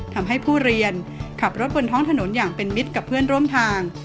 ทำให้ผู้เรียนขับรถบนท้องถนนอย่างเป็นมิตรกับเพื่อนร่วมทาง